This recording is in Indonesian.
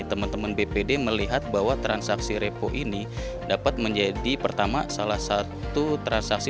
teman teman bpd melihat bahwa transaksi repo ini dapat menjadi pertama salah satu transaksi